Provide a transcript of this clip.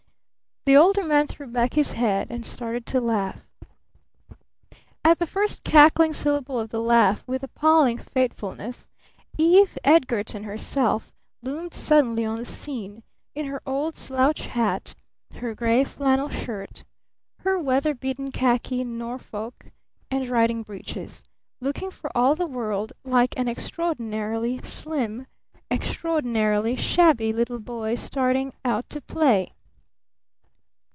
The Older Man threw back his head and started to laugh. [Illustration: 'I am riding,' she murmured almost inaudibly] At the first cackling syllable of the laugh, with appalling fatefulness Eve Edgarton herself loomed suddenly on the scene, in her old slouch hat, her gray flannel shirt, her weather beaten khaki Norfolk and riding breeches, looking for all the world like an extraordinarily slim, extraordinarily shabby little boy just starting out to play.